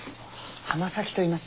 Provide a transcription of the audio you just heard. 浜崎といいます。